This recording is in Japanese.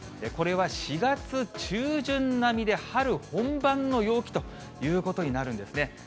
これは４月中旬並みで春本番の陽気ということになるんですね。